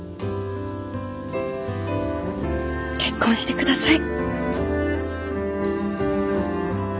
結婚してください。